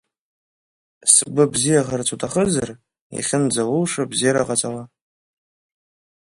Сгәы бзиахар уҭахызар, иахьынӡаулшо абзиара ҟаҵала.